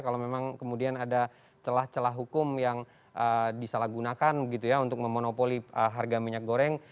kalau memang kemudian ada celah celah hukum yang disalahgunakan begitu ya untuk memonopoli harga minyak goreng